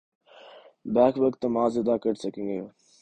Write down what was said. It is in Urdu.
بیک وقت نماز ادا کر سکیں گے